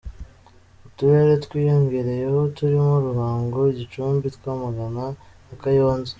Uturere twiyongereyeho turimo Ruhango, Gicumbi, Rwamagana na Kayonza.